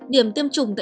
điểm tiêm chủng tại